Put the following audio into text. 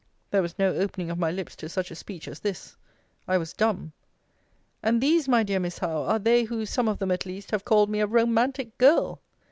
There was no opening of my lips to such a speech as this. I was dumb. And these, my dear Miss Howe, are they who, some of them at least, have called me a romantic girl!